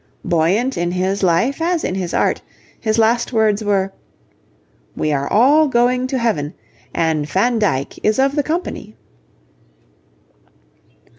Buoyant in his life as in his art, his last words were: 'We are all going to Heaven, and Van Dyck is of the company.'